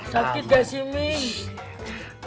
sakit gak sih mih